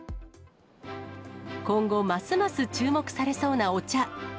今後、ますます注目されそうなお茶。